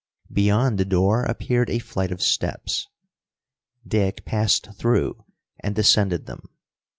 Beyond the door appeared a flight of steps. Dick passed through and descended them.